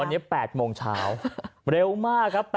วันนี้๘โมงเช้าเร็วมากครับ